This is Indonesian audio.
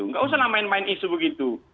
tidak usah main main isu begitu